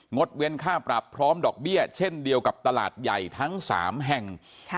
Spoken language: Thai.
ดเว้นค่าปรับพร้อมดอกเบี้ยเช่นเดียวกับตลาดใหญ่ทั้ง๓แห่ง